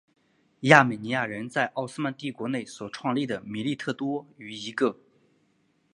亚美尼亚人在奥斯曼帝国内所创立的米利特多于一个。